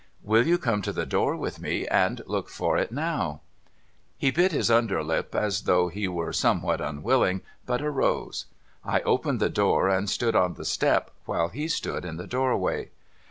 ' W^ill you come to the door with me, and look for it now ?' He bit his under lip as though he were somewhat unwilling, but arose. I opened the door, and stood on the step, while he stood in the doorway.